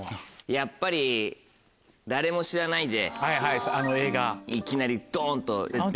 やっぱり『誰も知らない』でいきなりドンと出て。